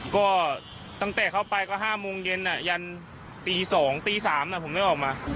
ก็ตั้งแต่เข้าไปก็๕โมงเย็นยันตี๒ตี๓ผมไม่ออกมา